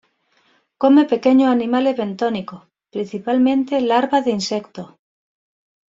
Come pequeños animales bentónicos, principalmente larvas de insectos.